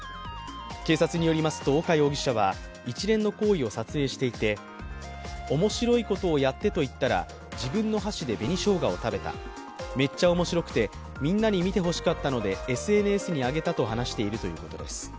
警察によりますと、岡容疑者は一連の行為を撮影していて面白いことをやってと言ったら自分の箸で紅しょうがを食べた、めっちゃ面白くてみんなに見てほしかったのでＳＮＳにあげたと話しているということです。